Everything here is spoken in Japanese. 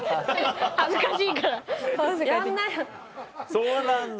そうなんだ